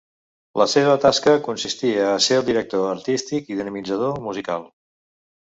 La seva tasca consistia a ser el director artístic i dinamitzador musical.